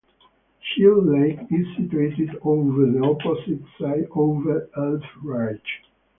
Shield Lake is situated over the opposite side over Elf Ridge.